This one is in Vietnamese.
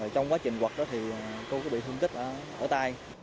trong quá trình quật đó thì cô có bị thương tích ở tay